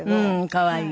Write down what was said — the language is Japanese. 可愛い。